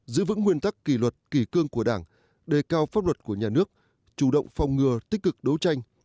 giữ vững nguyên tắc kỳ luật kỳ cương của đảng đề cao pháp luật của nhà nước chủ động phòng ngừa tích cực đấu tranh